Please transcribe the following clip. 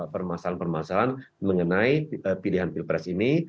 permasalahan permasalahan mengenai pilihan pilpres ini